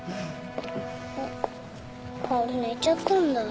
あっ薫寝ちゃったんだ。